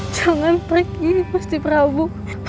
jangan pergi mesti prabu